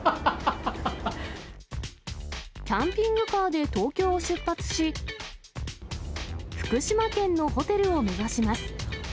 キャンピングカーで東京を出発し、福島県のホテルを目指します。